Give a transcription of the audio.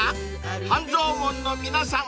［半蔵門の皆さん